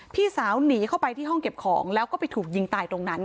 พี่สาวหนีเข้าไปที่ห้องเก็บของแล้วก็ไปถูกยิงตายตรงนั้น